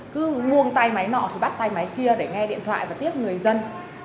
cứ vuông tay máy nọ thì bắt tay máy kia để nghe điện thoại và tiếp người dân